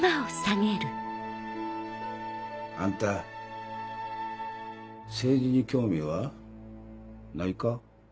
あんた政治に興味は？ないか？